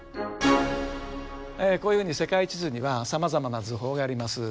こういうふうに世界地図にはさまざまな図法があります。